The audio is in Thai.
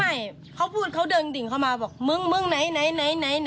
ไม่เขาพูดเขาเดินดิ่งเข้ามาบอกเมื่องเมื่องไหนไหนไหนไหน